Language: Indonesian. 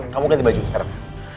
kamu ganti baju sekarang